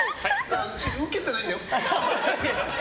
ウケてないんだよ？